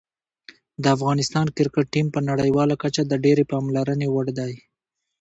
د افغانستان کرکټ ټیم په نړیواله کچه د ډېرې پاملرنې وړ دی.